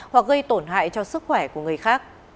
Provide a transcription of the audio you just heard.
hoặc gây tổn hại cho sức khỏe của người khác